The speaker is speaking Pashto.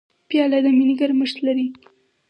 پیاله د مینې ګرمښت لري.